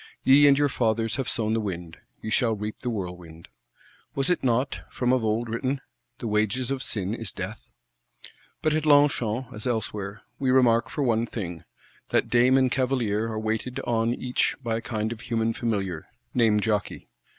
Ye and your fathers have sown the wind, ye shall reap the whirlwind. Was it not, from of old, written: The wages of sin is death? But at Longchamp, as elsewhere, we remark for one thing, that dame and cavalier are waited on each by a kind of human familiar, named _jokei.